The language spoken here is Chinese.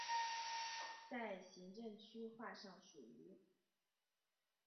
在行政区划上属于。